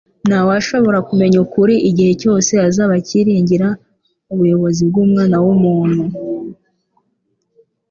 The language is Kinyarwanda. Nta washobora kumenya ukuri igihe cyose azaba acyiringira ubuyobozi bw'umwana w'umuntu.